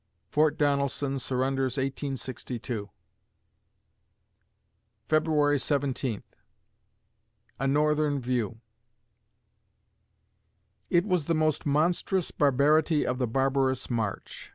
Fort Donelson surrenders, 1862 February Seventeenth A NORTHERN VIEW It was the most monstrous barbarity of the barbarous march.